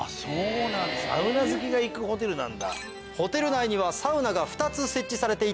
サウナ好きが行くホテルなんだ。